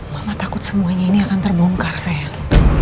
malah takut semuanya ini akan terbongkar sayang